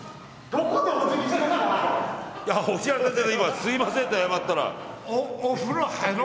すいませんって謝ったら。